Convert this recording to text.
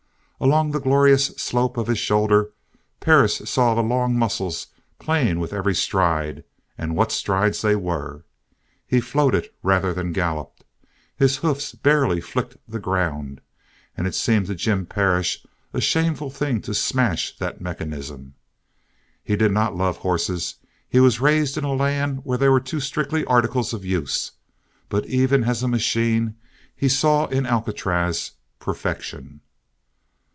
Along the glorious slope of his shoulder Perris saw the long muscles playing with every stride, and what strides they were! He floated rather than galloped; his hoofs barely flicked the ground, and it seemed to Jim Perris a shameful thing to smash that mechanism. He did not love horses; he was raised in a land where they were too strictly articles of use. But even as a machine he saw in Alcatraz perfection.